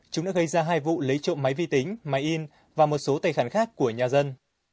chúng đã gây ra hai vụ lấy trộm máy vi tính máy in và một số tài khoản khác của nhà dân